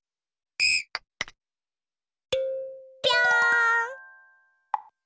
ぴょん！